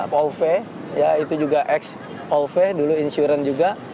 polve ya itu juga x polve dulu insurans juga